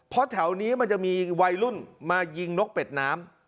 เพราะแถวนี้มันจะมีวัยรุ่นมายิงนกเป็ดน้ำ